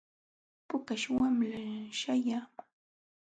Pukaśh wamla śhayaamun.